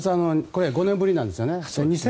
これは５年ぶりなんですよね。